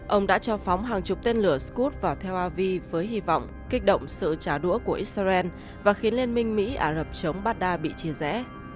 ông đã cho phóng hàng chục tên lửa scud vào tel aviv với hy vọng kích động sự trả đũa của israel và khiến liên minh mỹ arab chống baghdad bị chia rẽ